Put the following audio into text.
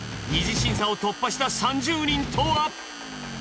二次審査を突破した３０人とは。